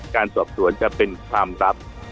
การตอบตรวจจะเป็นความรับ